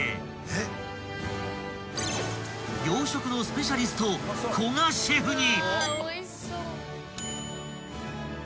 ［洋食のスペシャリスト古賀シェフに］